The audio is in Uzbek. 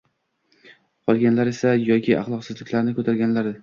Qolganlar esa — yoki axloqsizliklarni «ko‘targan»lar